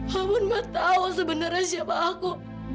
walaupun mbak tau sebenernya siapa aku